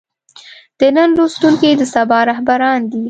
د نن لوستونکي د سبا رهبران دي.